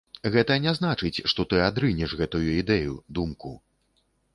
Гэта не значыць, што ты адрынеш гэтую ідэю, думку.